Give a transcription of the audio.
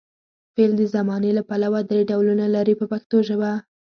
فعل د زمانې له پلوه درې ډولونه لري په پښتو ژبه.